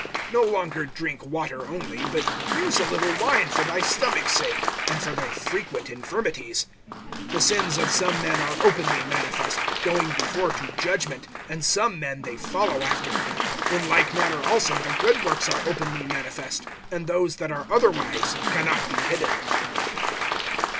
(23)No longer drink water only, but use a little wine for thy stomach's sake, and for thy frequent infirmities. (24)The sins of some men are openly manifest, going before to judgment; and some men they follow after. (25)In like manner also the good works are openly manifest; and those that are otherwise can not be hidden.